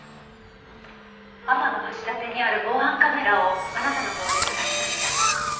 天橋立にある防犯カメラをあなたの顔で捜しました。